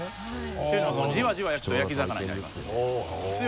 というのもじわじわ焼くと焼き魚になりますので。